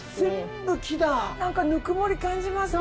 なんかぬくもり感じますね。